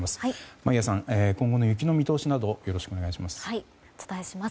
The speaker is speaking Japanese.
眞家さん、今後の雪の見通しなどよろしくお願いします。